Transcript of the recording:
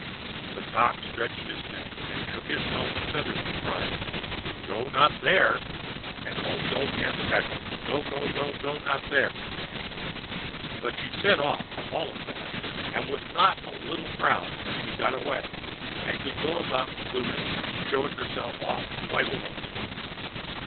The Cock stretched his neck and shook his comb and feathers, and cried: "Go not there!" And all the old hens cackled: "Go go go go not there!" But she set off for all that; and was not a little proud when she got away, and could go about pluming and showing herself off quite alone.